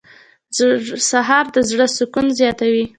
سهار د زړه سکون زیاتوي.